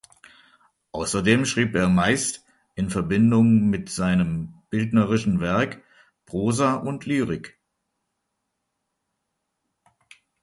Außerdem schrieb er meist in Verbindung mit seinem bildnerischen Werk Prosa und Lyrik.